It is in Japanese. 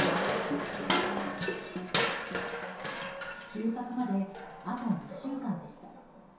収穫まで、あと２週間でした。